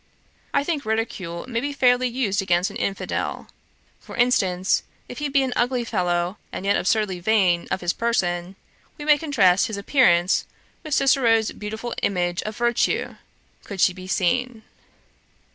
I think ridicule may be fairly used against an infidel; for instance, if he be an ugly fellow, and yet absurdly vain of his person, we may contrast his appearance with Cicero's beautiful image of Virtue, could she be seen.